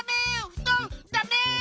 ふとんダメ！